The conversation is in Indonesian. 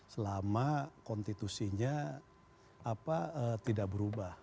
selama konstitusinya tidak berubah